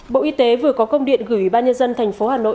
bộ y tế vừa có công điện gửi ủy ban nhân dân tp hà nội